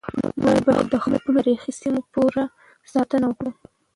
موږ بايد د خپلو تاريخي سيمو پوره ساتنه وکړو.